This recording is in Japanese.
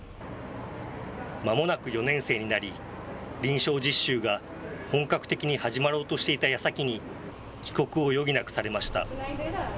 まもなく４年生になり、臨床実習が本格的に始まろうとしていたやさきに、帰国を余儀なくされました。